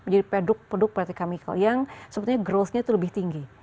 jadi produk produk petrochemical yang sebetulnya growth nya itu lebih tinggi